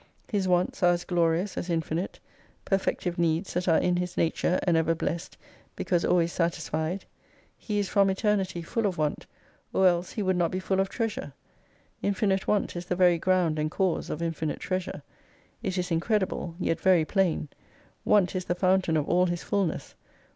His wants are as glorious as infinite : perfec tive needs that are in His nature, and ever Blessed, because always satisfied. He is from eternity full of want, or else He would not be full of Treasure. Infinite want is the very ground and cause of infinite treasure. It is incredible, yet very plain Want is the fountain of all His fulness.